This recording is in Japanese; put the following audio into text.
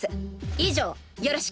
以上よろしく。